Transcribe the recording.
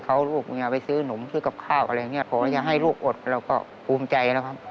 เขาต้องไปซื้อนมกับข้าวอะไรอย่างนี้